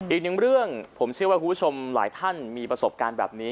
อีกหนึ่งเรื่องผมเชื่อว่าคุณผู้ชมหลายท่านมีประสบการณ์แบบนี้